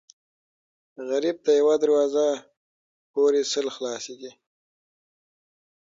غریب ته یوه دروازه پورې سل خلاصې دي